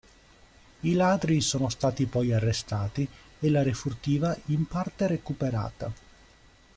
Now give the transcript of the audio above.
I ladri sono stati poi arrestati e la refurtiva in parte recuperata.